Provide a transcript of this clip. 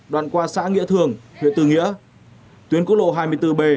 đoàn qua xã nghĩa thường huyện tư nghĩa tuyến quốc lộ hai mươi bốn b